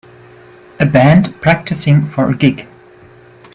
A band practicing for a gig.